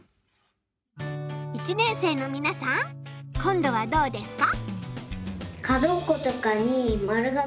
１年生のみなさん今度はどうですか？